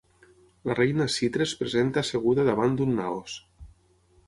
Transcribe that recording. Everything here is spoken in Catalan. La reina Sitre es presenta asseguda davant d'un naos.